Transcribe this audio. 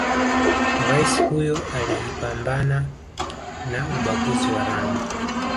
raisi huyo aliipambana na ubaguzi wa rangi